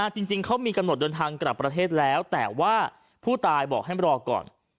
จริงเขามีกำหนดเดินทางกลับประเทศแล้วแต่ว่าผู้ตายบอกให้มารอก่อน